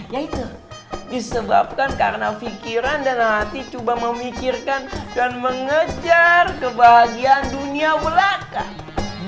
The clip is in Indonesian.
yaitu disebabkan karena pikiran dan hati coba memikirkan dan mengejar kebahagiaan dunia belakang